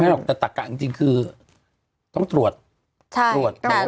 ไม่หรอกแต่ตะกะจริงคือต้องตรวจตรวจ